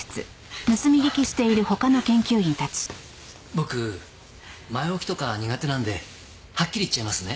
僕前置きとか苦手なんではっきり言っちゃいますね。